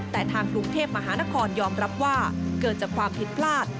แต่ทางกรุงเทพมหานครยอมรับว่าเกิดจากความผิดพลาด